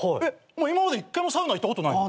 今まで一回もサウナ行ったことないの？